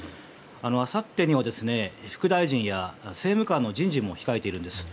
あさってには副大臣や政務官の人事も控えているんです。